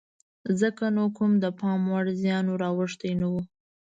ځکه نو کوم د پام وړ زیان ور اوښتی نه و.